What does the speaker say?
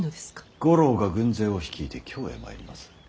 五郎が軍勢を率いて京へ参ります。